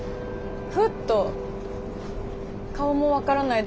ふっと顔も分からない